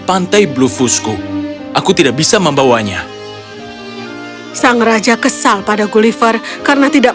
pantai blufusku aku tidak bisa membawanya sang raja kesal pada gulliver karena tidak